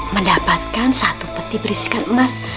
mendapatkan satu peti berisikan emas